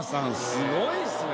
すごいっすね！